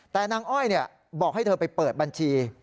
แต่นางอ้อยบอกให้เธอไปเปิดบัญชี